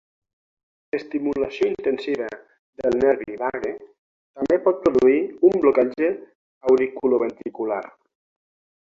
L'estimulació intensa del nervi vague també pot produir un blocatge auriculoventricular.